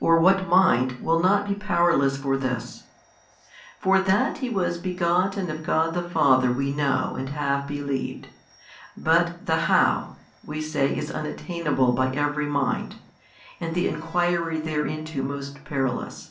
or what mind will not be powerless for this? For that He was begotten of God the Father we know and have believed: but the how, we say is unattainable by every mind, and the enquiry thereinto most perilous.